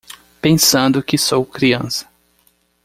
Pensando que sou criança